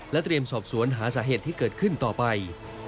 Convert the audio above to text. เตรียมสอบสวนหาสาเหตุที่เกิดขึ้นต่อไป